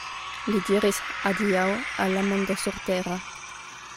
Li diris adiaŭ al la mondo surtera.